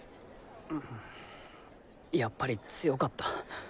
やっぱり強かった。